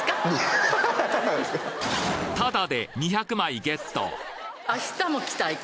ただで２００枚ゲット